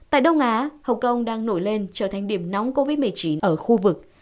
tại đông á hồng kông đang nổi lên trở thành điểm nóng covid một mươi chín ở khu vực